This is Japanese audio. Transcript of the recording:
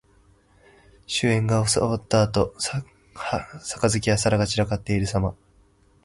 酒宴が終わったあと、杯や皿が散らかっているさま。